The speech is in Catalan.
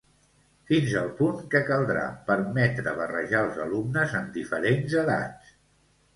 Fins al punt que caldrà permetre barrejar els alumnes amb diferents edats.